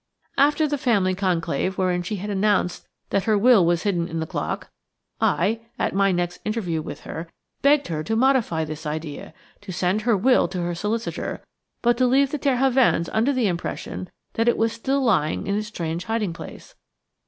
After the family conclave wherein she had announced that her will was hidden in the clock, I–at my next interview with her–begged her to modify this idea, to send her will to her solicitor, but to leave the Terhovens under the impression that it was still lying in its strange hiding place.